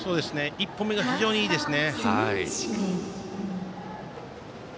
１歩目が非常にいいですね。